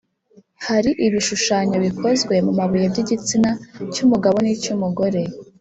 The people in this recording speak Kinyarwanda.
hari ibishushanyo bikozwe mu mabuye by’igitsina cy’umugabo n’icy’umugore,